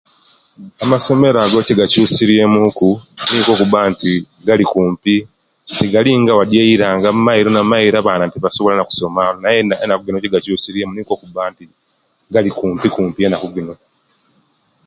Amasomero ago ekyegakyusirie muku nikwo okuba nti gali kumpi tegali nga wadi eira nga mairo ne mairo abana tebasobola na kusoma aye enaku jino ekyegakyusirie mu nikwo okuba nti gali kumpi kumpi enaku jino